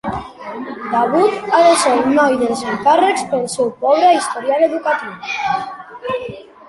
Davoud ha de ser el noi dels encàrrecs pel seu pobre historial educatiu.